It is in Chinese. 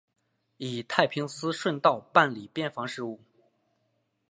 以太平思顺道办理边防事务。